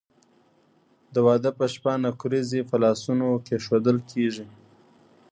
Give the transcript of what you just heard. د واده په شپه نکریزې په لاسونو کیښودل کیږي.